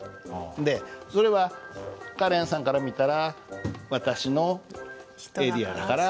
でそれはカレンさんから見たら私のエリアだから。